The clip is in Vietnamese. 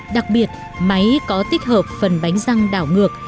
đặc biệt máy có tích hợp phần bánh răng đảo ngược